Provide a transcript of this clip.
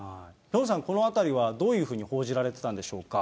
ピョンさん、このあたりはどういうふうに報じられてたんでしょうか。